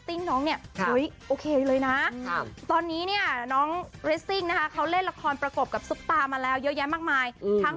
ทางมริโอคัชคิมบลีเฮียเรสเขาเป๊ะมากในบทแดคซิ่ง